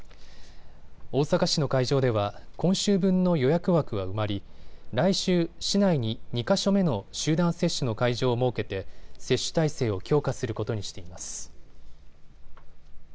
大阪市の会場では今週分の予約枠は埋まり来週、市内に２か所目の集団接種の会場を設けて接種体制を強化することにしています。